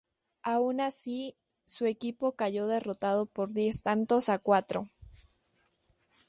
Aun así, su equipo cayó derrotado por diez tantos a cuatro.